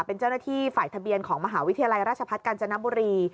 เป็นเจ้าหน้าที่ฝ่ายทะเบียนของมหาวิทยาลัยราชพัฒน์กาญจนบุรี